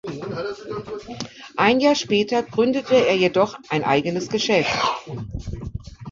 Ein Jahr später gründete er jedoch ein eigenes Geschäft.